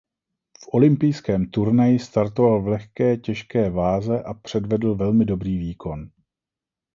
V olympijském turnaji startoval v lehké těžké váze a předvedl velmi dobrý výkon.